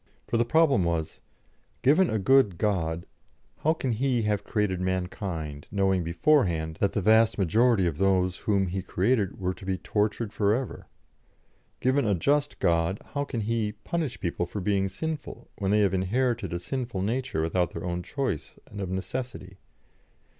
For the problem was: Given a good God, how can He have created mankind, knowing beforehand that the vast majority of those whom He created were to be tortured for ever? Given a just God, how can He punish people for being sinful, when they have inherited a sinful nature without their own choice and of necessity?